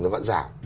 nó vẫn giảm